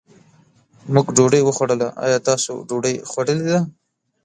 مونږ ډوډۍ وخوړله، ايا تاسو ډوډۍ خوړلې ده؟